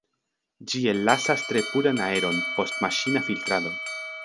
Ĝi ellasas tre puran aeron, post maŝina filtrado.